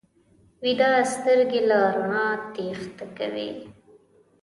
ویده سترګې له رڼا تېښته کوي